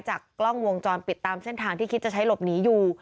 กล้องวงจรปิดตามเส้นทางที่คิดจะใช้หลบหนีอยู่